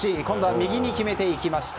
右に決めていきました。